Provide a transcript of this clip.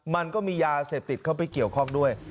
มันก็มียาเสพติดเข้าไปเกี่ยวข้องด้วย